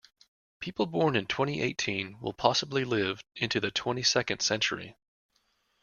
People born in twenty-eighteen will possibly live into the twenty-second century.